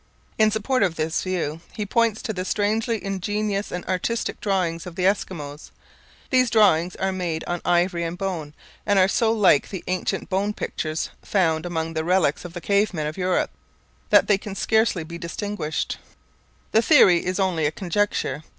In support of this view he points to the strangely ingenious and artistic drawings of the Eskimos. These drawings are made on ivory and bone, and are so like the ancient bone pictures found among the relics of the cave men of Europe that they can scarcely be distinguished. The theory is only a conjecture.